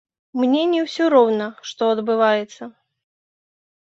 Мне не ўсё роўна, што адбываецца.